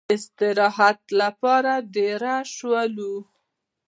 د استراحت لپاره دېره شولو.